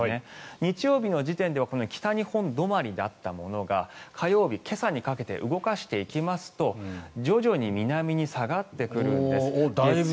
日曜日の時点では北日本止まりだったものが火曜日、今朝にかけて動かしていきますと徐々に南に下がってくるんです。